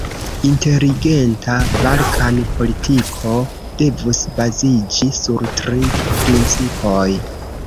Inteligenta Balkan-politiko devus baziĝi sur tri principoj.